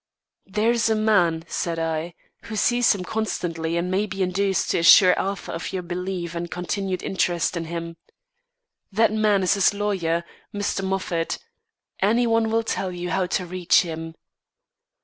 "There is a man," said I, "who sees him constantly and may be induced to assure Arthur of your belief and continued interest in him. That man is his lawyer, Mr. Moffat. Any one will tell you how to reach him."